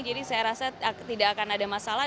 jadi saya rasa tidak akan ada masalah